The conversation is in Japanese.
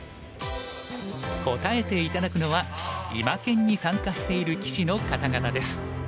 答えて頂くのは今研に参加している棋士の方々です。